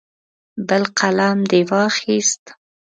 بل قلم دې واخیست.